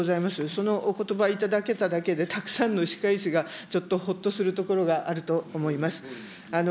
そのおことば、頂けただけでたくさんの歯科医師が、ちょっとほっとするところがあると思います。